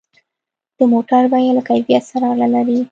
د موټر بیه له کیفیت سره اړه لري.